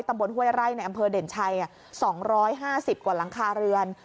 ห้วยไร่ในอำเภอเด่นชัย๒๕๐กว่าหลังคาเรือน